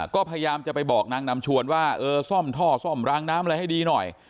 ก็พยายามจะไปบอกนางนำชวนว่าเออซ่อมท่อซ่อมรางน้ำอะไรให้ดีหน่อย